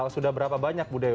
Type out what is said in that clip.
sudah berapa banyak bu dewi